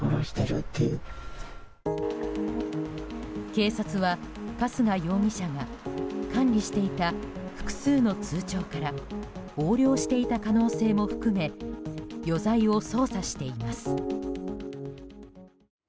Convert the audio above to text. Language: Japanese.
警察は春日容疑者が管理していた複数の通帳から横領していた可能性も含め余罪を捜査しています。